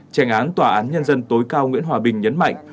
trành án tòa án nhân dân tối cao nguyễn hòa bình nhấn mạnh